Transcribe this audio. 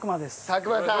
佐久間さん。